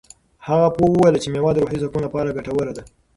هغه پوه وویل چې مېوه د روحي سکون لپاره ګټوره ده.